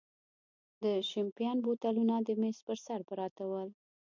د شیمپین بوتلونه د مېز پر سر پراته ول.